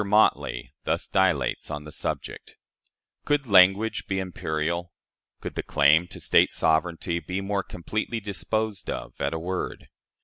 Motley thus dilates on the subject: "Could language be more imperial? Could the claim to State 'sovereignty' be more completely disposed of at a word?